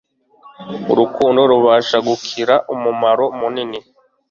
urukundo rubasha gukira umumaro munini